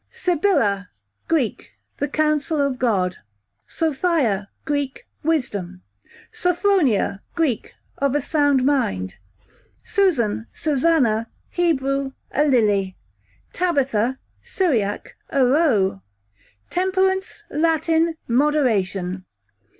Sibylla, Greek, the counsel of God. Sophia, Greek, wisdom. Sophronia, Greek, of a sound mind. Susan / Susanna Hebrew, a lily. Tabitha, Syriac, a roe. Temperance, Latin, moderation.